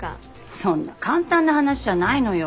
そんな簡単な話じゃないのよ。